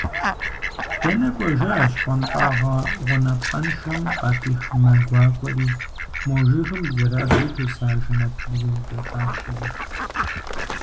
Дэнэ кӏуэжа щхъуантӏагъэ гъунапкъэншэм къапих мэ гуакӏуэри, мо жыгым бзэрабзэу теса жэнэт бзу дахащэри…